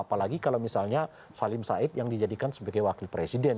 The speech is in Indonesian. apalagi kalau misalnya salim said yang dijadikan sebagai wakil presiden